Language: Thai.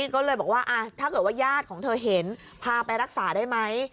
ก็เลยบอกว่าถ้าเกิดว่าญาติของเธอเห็นพาไปรักษาได้ไหม